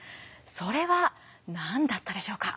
それは何だったでしょうか。